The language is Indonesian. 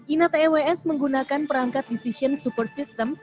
ina tews menggunakan perangkat decision support system